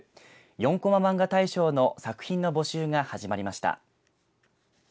４コマまんが大賞の作品の募集が始まりました。